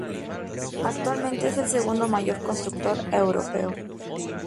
Actualmente es el segundo mayor constructor europeo.